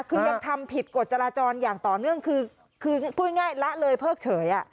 คือยังทำผิดกฎจราจรอย่างต่อเนื่องคือพูดง่ายละเลยเพิกเฉย